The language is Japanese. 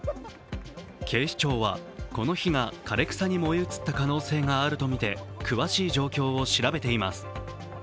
警視庁はこの火が枯れ草に燃え移った可能性があるとみて詳しい状況を調べています。